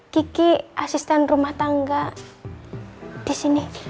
kiki asisten rumah tangga di sini